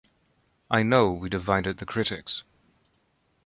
I know we divided the critics.